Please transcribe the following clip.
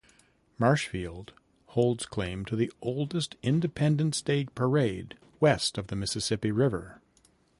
Marshfield holds claim to the oldest Independence Day parade west of the Mississippi River.